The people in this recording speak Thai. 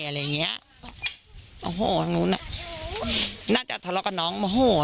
โอ้โหทางนู้นน่ะน่าจะทะเลากับน้อง